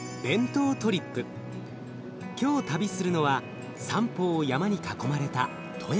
今日旅するのは三方を山に囲まれた富山。